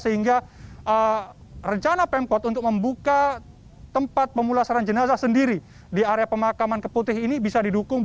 sehingga rencana pemkot untuk membuka tempat pemulasaran jenazah sendiri di area pemakaman keputih ini bisa didukung